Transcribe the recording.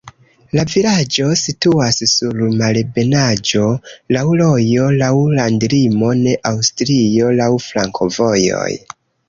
La vilaĝo situas sur malebenaĵo, laŭ rojo, laŭ landlimo de Aŭstrio, laŭ flankovojoj.